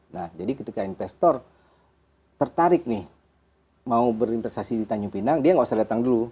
nah jadi ketika investor tertarik nih mau berinvestasi di tanjung pinang dia nggak usah datang dulu